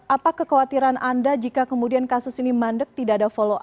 apa kekhawatiran anda jika kemudian kasus ini mandek tidak ada follow up